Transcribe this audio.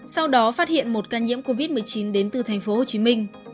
sau đó phát hiện một ca nhiễm covid một mươi chín đến từ tp hcm